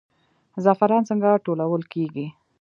زعفران څنګه ټولول کیږي؟